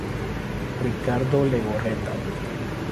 Ricardo Legorreta.